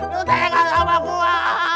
lu teka sama gua